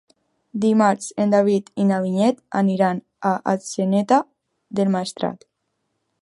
Dimarts en David i na Vinyet aniran a Atzeneta del Maestrat.